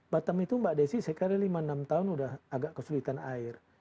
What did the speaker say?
batam itu mbak desi saya kira lima enam tahun sudah agak kesulitan air